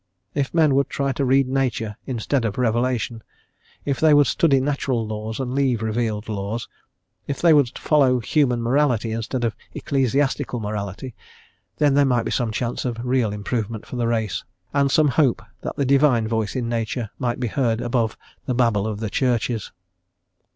If men would try to read nature instead of revelation, if they would study natural laws and leave revealed laws, if they would follow human morality instead of ecclesiastical morality, then there might be some chance of real improvement for the race, and some hope that the Divine Voice in Nature might be heard above the babble of the Churches.